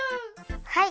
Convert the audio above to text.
はい。